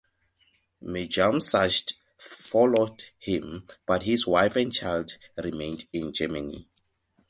Mirjam Sachs followed him, but his wife and child remained in Germany.